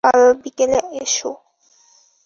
কাল বিকেলে এসো।